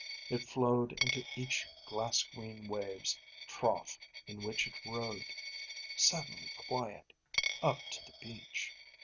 It flowed into each glass green wave's trough in which it rode, suddenly quiet, up to the beach.